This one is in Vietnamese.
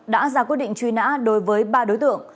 đã ra quyết định truy nã đối với ba đối tượng